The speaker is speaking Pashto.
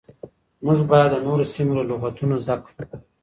موږ بايد د نورو سيمو له لغتونو زده کړو.